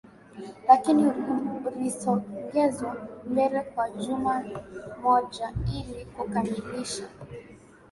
lakini ulisogezwa mbele kwa juma moja ili kukamilisha